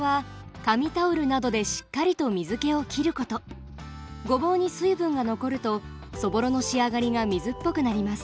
ポイントはごぼうに水分が残るとそぼろの仕上がりが水っぽくなります。